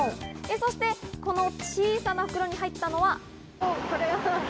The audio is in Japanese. そして、この小さな袋に入ったのは。